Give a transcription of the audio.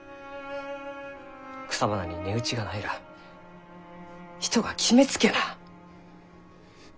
草花に値打ちがないらあ人が決めつけな！